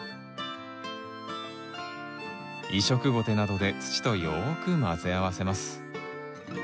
移植ゴテなどで土とよく混ぜ合わせます。